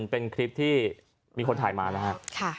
เป็นคลิปที่มีคนถ่ายมานะครับ